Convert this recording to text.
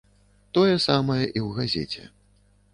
Тое самае і ў газеце.